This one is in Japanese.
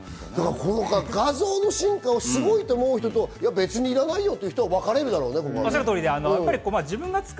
画像の進化をすごいと思う人と別にいらないよと分かれるだろうね。